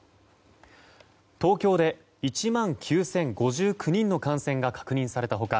東京で１万９０５９人の感染が確認された他